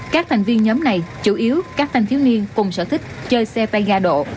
các thành viên nhóm này chủ yếu các thanh thiếu niên cùng sở thích chơi xe tay ga độ